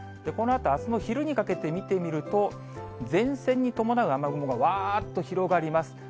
このあとあすの昼にかけて見てみると、前線に伴う雨雲がわーっと広がります。